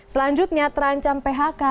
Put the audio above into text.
selanjutnya terancam phk